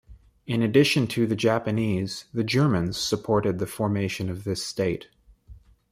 In addition to the Japanese, the Germans supported the formation of this state.